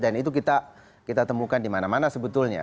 dan itu kita temukan dimana mana sebetulnya